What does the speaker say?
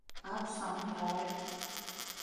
აქვს სამი მთავარი პიკი.